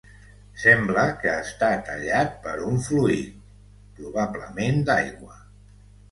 Sembla que està tallat per un fluid, probablement d'aigua.